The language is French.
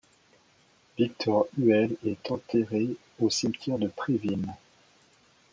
Victor Huel est enterré au cimetière de Préville.